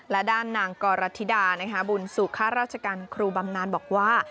และด้านนางกรธิดาบุญสุข้าราชการครูบำนานบอกว่า